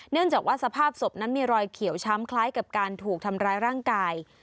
เนื่องจากว่าสภาพศพนั้นมีรอยเขียวช้ำคล้ายกับการถูกทำร้ายร่างกาย